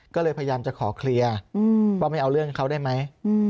ก็เลยพยายามจะขอเคลียร์ว่าไม่เอาเรื่องเขาได้ไหม